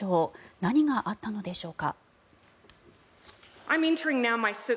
何があったのでしょうか。